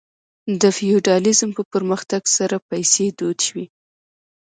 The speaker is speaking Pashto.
د فیوډالیزم په پرمختګ سره پیسې دود شوې.